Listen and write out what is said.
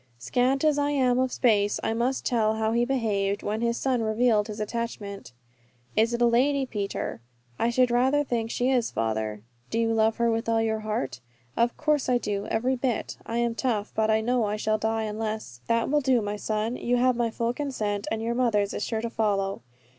Scant as I am of space, I must tell how he behaved, when his son revealed his attachment. "Is it a lady, Peter?" "I should rather think she is, father." "Do you love her with all your heart?" "Of course I do, every bit. I am tough, but I know I shall die, unless " "That will do, my son. You have my full consent, and your mother's is sure to follow.